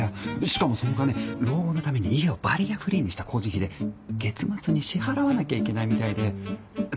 しかもその金老後のために家をバリアフリーにした工事費で月末に支払わなきゃいけないみたいで。